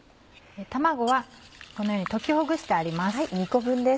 卵はこのように溶きほぐしてあります。